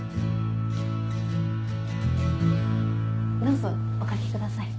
どうぞおかけください。